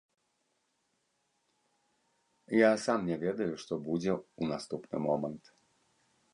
Я сам не ведаю, што будзе ў наступны момант.